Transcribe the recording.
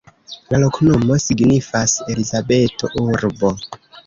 La loknomo signifas: Elizabeto-urbo.